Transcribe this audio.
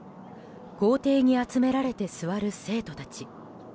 校庭に集められて座る生徒たち。